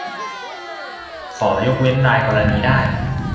ขอยกเว้นรายกรณีได้